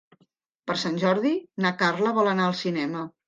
Per Sant Jordi na Carla vol anar al cinema.